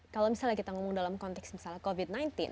kalau misalnya kita ngomong dalam konteks misalnya covid sembilan belas